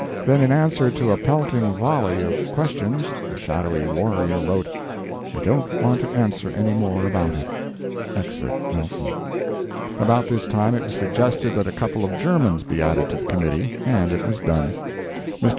Then in answer to a pelting volley of questions, the shadowy warrior wrote: "I don't want to answer any more about it." Exit Nelson. About this time it was suggested that a couple of Germans be added to the committee, and it was done. Mr.